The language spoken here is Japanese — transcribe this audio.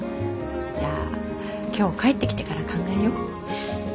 じゃあ今日帰ってきてから考えよう。